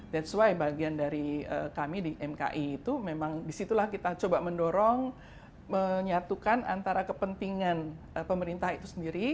⁇ thats ⁇ why bagian dari kami di mki itu memang disitulah kita coba mendorong menyatukan antara kepentingan pemerintah itu sendiri